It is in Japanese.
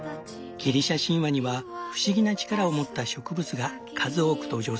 ギリシャ神話には不思議な力を持った植物が数多く登場する。